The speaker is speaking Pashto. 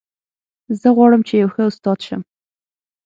زه غواړم چې یو ښه استاد شم